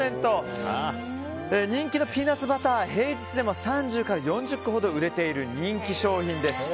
人気のピーナッツバター平日でも３０から４０個ほど売れている人気商品です。